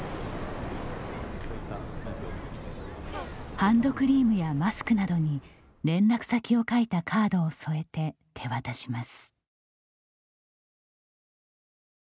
ハンドクリームやマスクなどに連絡先を書いたカードを添えて手渡します。